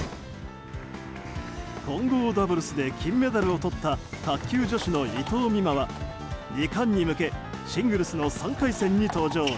混合ダブルスで金メダルをとった卓球女子の伊藤美誠は２冠に向けシングルスの３回戦に登場。